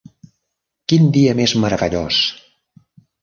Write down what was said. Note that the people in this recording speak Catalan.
Quin dia més meravellós!